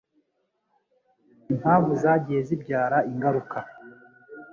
Impamvu zagiye zibyara ingaruka.